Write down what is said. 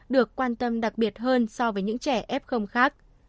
được quan tâm đặc biệt hơn so với những trẻ f khác